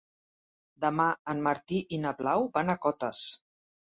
Demà en Martí i na Blau van a Cotes.